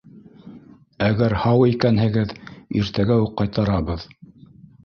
Әгәр һау икәнһегеҙ — иртәгә үк ҡайтарабыҙ.